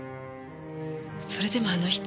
それでもあの人